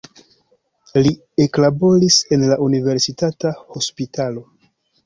Li eklaboris en la universitata hospitalo.